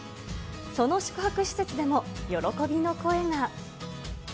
その宿泊施設でも、喜びの声が。